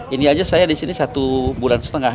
ini aja saya disini satu bulan setengah